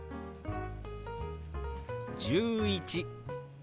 「１１」。